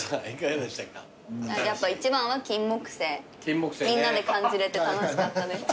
やっぱ一番はキンモクセイみんなで感じれて楽しかったです。